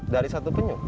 dari satu penyuh